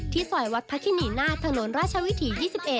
ซอยวัดพระคินีนาฏถนนราชวิถี๒๑